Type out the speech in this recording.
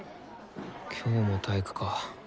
今日も体育かぁ。